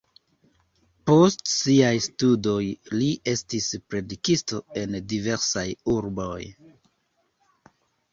Post siaj studoj li estis predikisto en diversaj urboj.